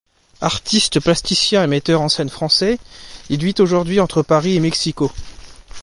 Artiste plasticien et metteur en scène français, il vit aujourd’hui entre Paris et Mexico.